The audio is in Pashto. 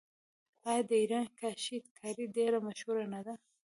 آیا د ایران کاشي کاري ډیره مشهوره نه ده؟